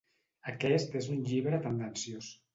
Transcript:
Aquest és un llibre tendenciós.